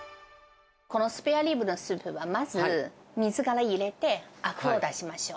このスペアリブのスープはまず、水から入れてあくを出しましょう。